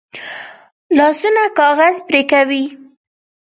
لاسونه کاغذ پرې کوي